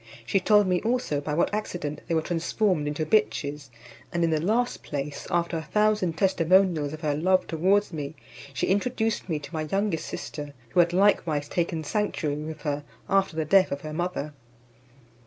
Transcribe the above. She told me also by what accident they were transformed into bitches: and in the last place, after a thousand testimonials of her love towards me, she introduced me to my youngest sister, who had likewise taken sanctuary with her after the death of her mother.